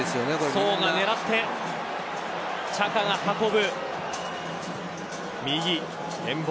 ソウが狙ってチャカが運ぶ。